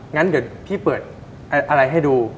งั้นเดี๋ยวพี่เปิดอะไรให้ดู